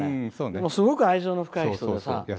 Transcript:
でもすごく愛情の深い人でさ。